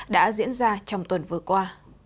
đã diễn ra trong tuần vừa qua